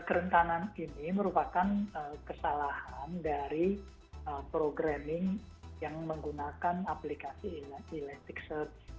kerentanan ini merupakan kesalahan dari programming yang menggunakan aplikasi electic search